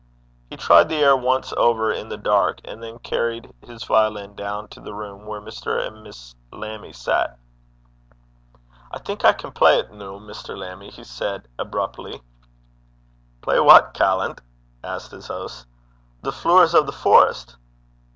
He tried the air once over in the dark, and then carried his violin down to the room where Mr. and Miss Lammie sat. 'I think I can play 't noo, Mr. Lammie,' he said abruptly. 'Play what, callant?' asked his host. 'The Flooers o' the Forest.'